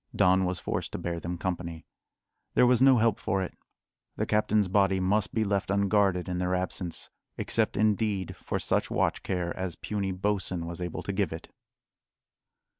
Don was forced to bear them company. There was no help for it; the captain's body must be left unguarded in their absence except, indeed, for such watch care as puny Bosin was able to give it.